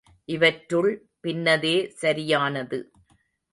இவற்றுள் பின்னதே சரியானது.